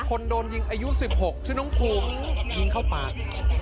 คนโดนยิงอายุ๑๖ชื่อน้องภูมิยิงเข้าปาก